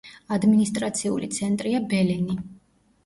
ადმინისტრაციული ცენტრია ბელენი.